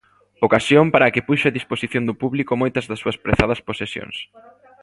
Ocasión para a que puxo a disposición do público moitas das súas prezadas posesións.